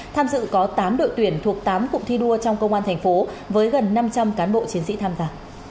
tham dự có tám đội tuyển thuộc tám cụm thi đua trong công an thành phố với gần năm trăm linh cán bộ chiến sĩ tham gia